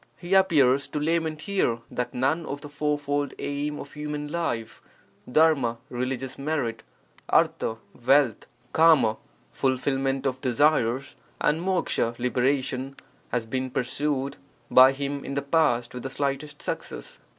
He appears to lament here that none of the fourfold aim of human life (£PT, religious merit; 3m, wealth; 3)FT, fulfilment of desires; and 'W, liberation) has been pursued by him in the past with the slightest success.